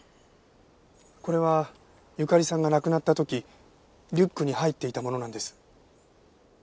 これはゆかりさんが亡くなった時リュックに入っていたものなんです。